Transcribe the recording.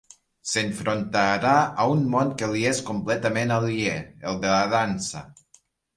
S'enfrontarà a un món que li és completament aliè, el de la dansa.